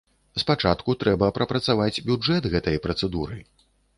Спачатку трэба прапрацаваць бюджэт гэтай працэдуры.